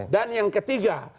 dan yang ketiga